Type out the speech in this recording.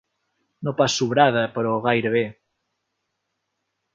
No pas sobrada, però gairebé.